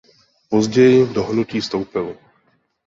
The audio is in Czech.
Později do hnutí vstoupil.